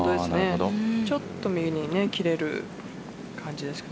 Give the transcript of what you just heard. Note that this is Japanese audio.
ちょっと右に切れる感じでしたね。